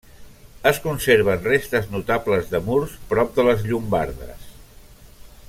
Es conserven restes notables de murs prop de les Llombardes.